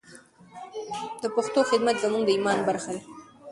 د پښتو خدمت زموږ د ایمان برخه ده.